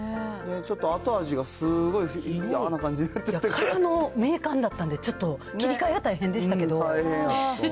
ちょっと、後味がすごい嫌な感じになって。からの名鑑だったのでちょっと切り替えが大変でしたけど。